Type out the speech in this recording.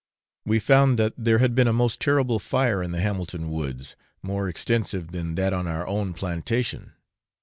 We found that there had been a most terrible fire in the Hamilton woods more extensive than that on our own plantation.